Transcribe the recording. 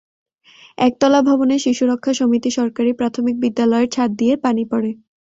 একতলা ভবনের শিশুরক্ষা সমিতি সরকারি প্রাথমিক বিদ্যালয়ের ছাদ দিয়ে পানি পড়ে।